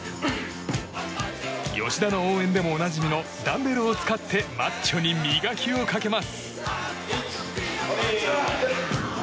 吉田の応援でもおなじみのダンベルを使ってマッチョに磨きをかけます。